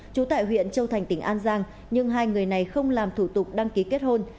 trú tại huyện châu thành tỉnh an giang nhưng hai người này không làm thủ tục đăng ký kết hôn